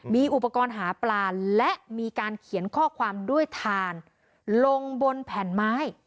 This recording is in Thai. มีอุปกรณ์หาปลาและมีการเขียนข้อความด้วยทานลงบนแผ่นไม้